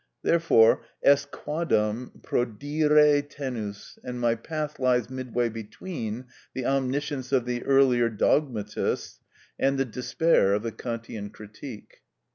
Therefore est quadam prodire tenus, and my path lies midway between the omniscience of the earlier dogmatists and the despair of the Kantian Critique.